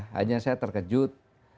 hanya saya terkejut